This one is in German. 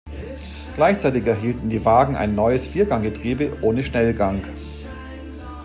Gleichzeitig erhielten die Wagen ein neues Vierganggetriebe ohne Schnellgang.